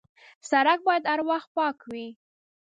سړک باید هر وخت پاک وي.